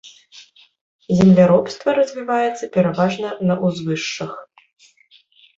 Земляробства развіваецца пераважна на ўзвышшах.